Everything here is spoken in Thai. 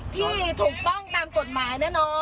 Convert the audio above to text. ถูกต้องตามกฎหมายนะน้อง